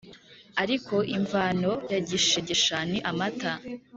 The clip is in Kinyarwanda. ariko imvano ya gishegesha ni amata,